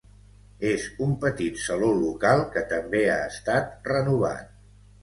És un petit saló local, que també ha estat renovat.